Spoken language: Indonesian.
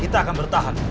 kita akan bertahan